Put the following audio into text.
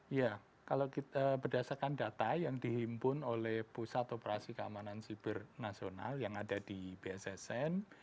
iya kalau kita berdasarkan data yang dihimpun oleh pusat operasi keamanan siber nasional yang ada di bssn